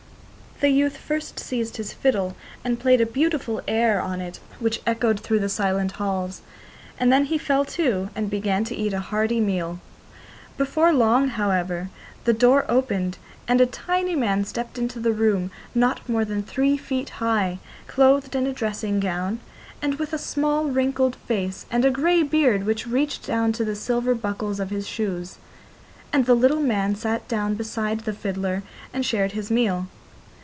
The youth first seized his fiddle and played a beautiful air on it which echoed through the silent halls, and then he fell to and began to eat a hearty meal. Before long, however, the door opened and a tiny man stepped into the room, not more than three feet high, clothed in a dressing gown, and with a small wrinkled face, and a grey beard which reached down to the silver buckles of his shoes. And the little man sat down beside the fiddler and shared his meal.